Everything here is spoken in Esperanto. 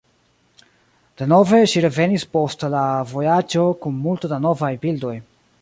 Denove ŝi revenis post la vojaĝo kun multo da novaj bildoj.